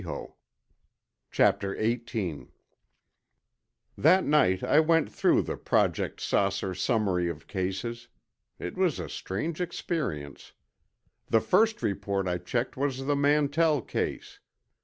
CHAPTER XVIII That night I went through the Project "Saucer" summary of cases. It was a strange experience. The first report I checked was the Mantell case.